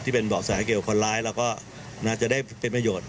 เบาะแสเกี่ยวกับคนร้ายเราก็น่าจะได้เป็นประโยชน์